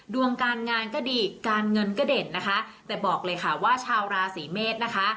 ดวงการงานก็ดีการเงินก็เด่นนะคะแต่บอกเลยค่ะว่าชาวราศีเมษนะคะ